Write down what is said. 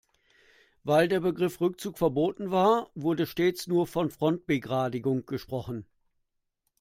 Weil der Begriff Rückzug verboten war, wurde stets nur von Frontbegradigung gesprochen.